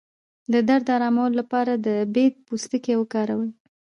د درد د ارامولو لپاره د بید پوستکی وکاروئ